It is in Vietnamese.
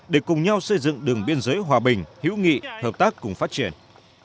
việc xây dựng cột mốc biên giới số bốn mươi một và bốn mươi ba là sự kiện có ý nghĩa đặc biệt quan trọng